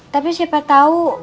tapi siapa tau